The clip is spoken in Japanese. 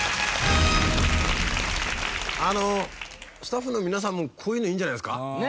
あのスタッフの皆さんもこういうのいいんじゃないですか？